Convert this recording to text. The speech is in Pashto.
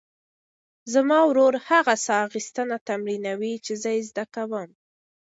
زما ورور هغه ساه اخیستنه تمرینوي چې زه یې زده کوم.